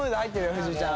藤井ちゃん。